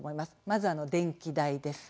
まずは、電気代です。